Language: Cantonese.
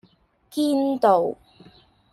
堅道